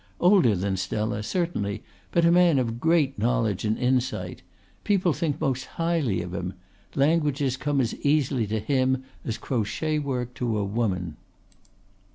Older than Stella, certainly, but a man of great knowledge and insight. People think most highly of him. Languages come as easily to him as crochet work to a woman."